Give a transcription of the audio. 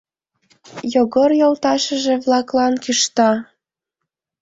Йогор йолташыже-влаклан кӱшта: